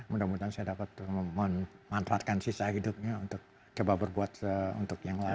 mudah mudahan saya dapat memanfaatkan sisa hidupnya untuk coba berbuat untuk yang lain